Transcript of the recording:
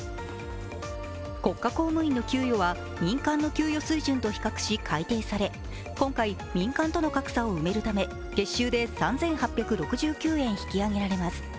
国家公務員の給与は民間の給与水準と比較し、改定され今回、民間との格差を埋めるため月収で３８６９円引き上げられます。